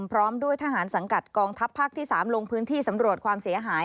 พร้อมด้วยทหารสังกัดกองทัพภาคที่๓ลงพื้นที่สำรวจความเสียหาย